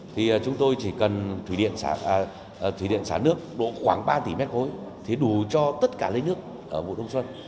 thì chúng tôi chỉ cần thủy điện xả nước khoảng ba tỷ m ba thì đủ cho tất cả lấy nước ở vũ đông xuân